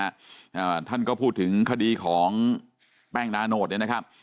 อ่าท่านก็พูดถึงคดีของแป้งนาโนตเนี่ยนะครับ